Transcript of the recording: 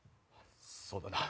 そうだな。